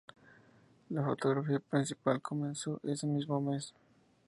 La fotografía principal comenzó ese mismo mes.